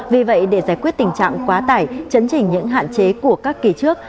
vì vậy để giải quyết tình trạng quá tải chấn chỉnh những hạn chế của các kỳ trước